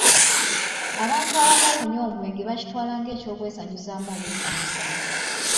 Abantu abamu okunywa omwenge bakitwala nga eky'okwesanyusaamu obwesanyusa.